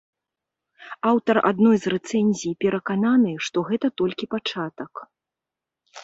Аўтар адной з рэцэнзій перакананы, што гэта толькі пачатак.